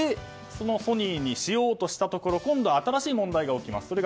ＳＯＮＹにしようとしたところ今度は新しい問題が起きます。